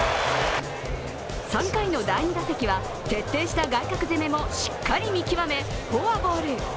３回の第２打席は徹底した外角攻めもしっかり見極め、フォアボール。